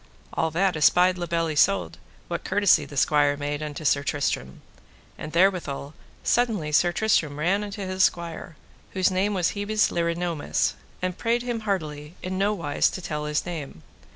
All that espied La Beale Isoud, what courtesy the squire made unto Sir Tristram. And therewithal suddenly Sir Tristram ran unto his squire, whose name was Hebes le Renoumes, and prayed him heartily in no wise to tell his name.